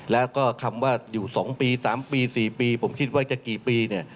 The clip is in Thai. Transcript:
แล้วก็คำว่าอยู่๒ปี๓ปี๔ปีผมคิดว่าจะกี่ปีเนี่ย